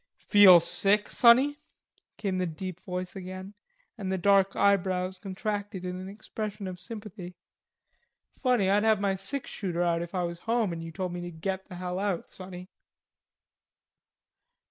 "Feel sick, sonny?" came the deep voice again, and the dark eyebrows contracted in an expression of sympathy. "Funny, I'd have my sixshooter out if I was home and you told me to get the hell out, sonny."